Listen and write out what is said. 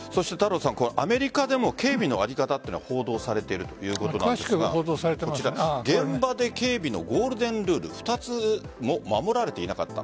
アメリカでも警備の在り方は報道されているということなんですが現場で警備のゴールデンルール２つも守られていなかった。